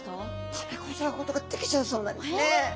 ため込んじゃうことができちゃうそうなんですね！